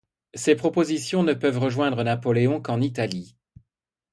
Ces propositions ne peuvent rejoindre Napoléon qu'en Italie.